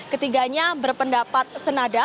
ketiganya berpendapat senada